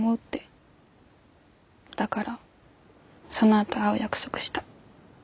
だからそのあと会う約束した。